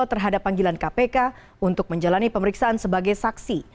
terhadap panggilan kpk untuk menjalani pemeriksaan sebagai saksi